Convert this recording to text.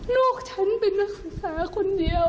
ลูกฉันเป็นนักศึกษาคนเดียว